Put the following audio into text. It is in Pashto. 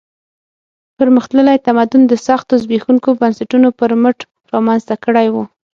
پرمختللی تمدن د سختو زبېښونکو بنسټونو پر مټ رامنځته کړی و.